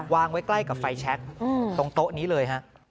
วางไว้ใกล้กับไฟแชคตรงโต๊ะนี้เลยฮะ